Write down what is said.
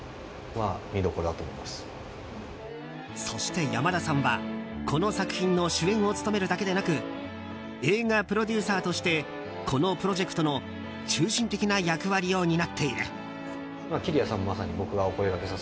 そして山田さんは、この作品の主演を務めるだけでなく映画プロデューサーとしてこのプロジェクトの中心的な役割を担っている。